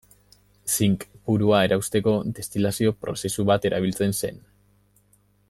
Zink purua erauzteko destilazio prozesu bat erabiltzen zen.